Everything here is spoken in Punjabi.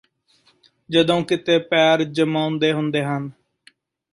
ਜਦੋਂ ਕਿੱਤੇ ਪੈਰ ਜੰਮਾਉਣੇ ਹੁੰਦੇ ਹਨ